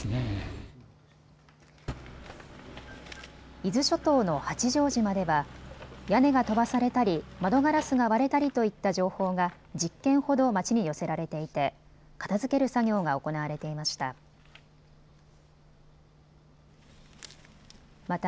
伊豆諸島の八丈島では屋根が飛ばされたり、窓ガラスが割れたりといった情報が１０件ほど町に寄せられていて片づける作業が行われていました。